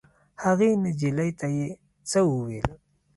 هغې نجلۍ ته یې څه وویل.